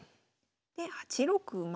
で８六馬。